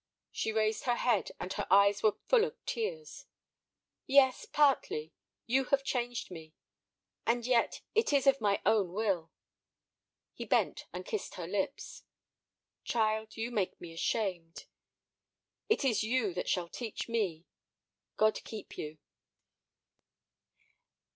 She raised her head, and her eyes were full of tears. "Yes—partly; you have changed me; and yet—it is of my own will." He bent, and kissed her lips. "Child, you make me ashamed. It is you that shall teach me. God keep you!"